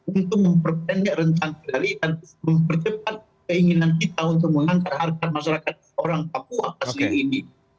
untuk memperpendek rencana kendali dan mempercepat keinginan kita untuk mengangkat harga masyarakat orang papua asli ini